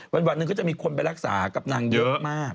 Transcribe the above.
วันหนึ่งก็จะมีคนไปรักษากับนางเยอะมาก